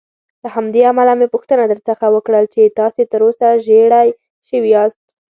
له همدې امله مې پوښتنه درڅخه وکړل چې تاسې تراوسه ژېړی شوي یاست.